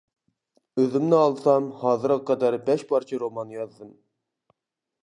ئۆزۈمنى ئالسام ھازىرغا قەدەر بەش پارچە رومان يازدىم.